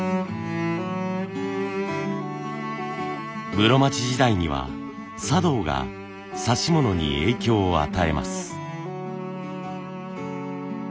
室町時代には茶道が指物に影響を与えます。